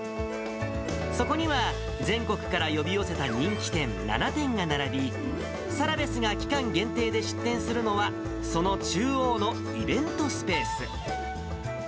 そこには全国から呼び寄せた人気店７店が並び、サラベスが期間限定で出店するのは、その中央のイベントスペース。